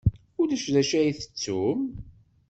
Ulac d acu ay tettum?